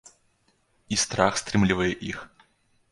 І страх стрымлівае іх.